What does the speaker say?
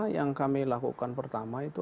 yang kami lakukan pertama itu